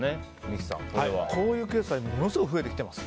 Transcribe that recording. こういうケースがすごく増えています。